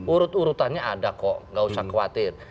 urut urutannya ada kok nggak usah khawatir